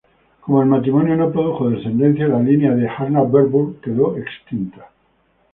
Como el matrimonio no produjo descendencia, la línea de Anhalt-Bernburg quedó extinta.